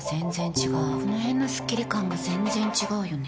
この辺のスッキリ感が全然違うよね。